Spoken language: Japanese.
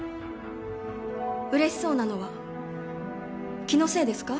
うれしそうなのは気のせいですか？